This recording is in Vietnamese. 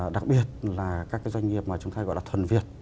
đặc biệt là các cái doanh nghiệp mà chúng ta gọi là thuần việt